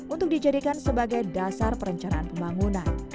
untuk dijadikan sebagai dasar perencanaan pembangunan